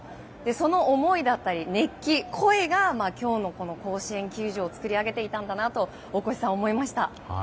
その思いだったり、熱気、声が今日の甲子園球場を作り上げていたんだなと大越さん、思いました。